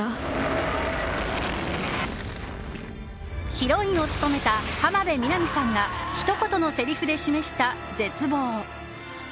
ヒロインを務めた浜辺美波さんがひと言のせりふで示した絶望。